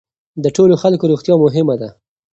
د ټولو خلکو روغتیا مهمه ده.